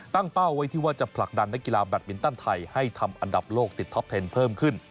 เป้าไว้ที่ว่าจะผลักดันนักกีฬาแบตมินตันไทยให้ทำอันดับโลกติดท็อปเทนเพิ่มขึ้น